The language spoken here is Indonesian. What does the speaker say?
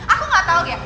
aku gak tau gek